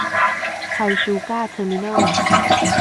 ไทยชูการ์ เทอร์มิเนิ้ล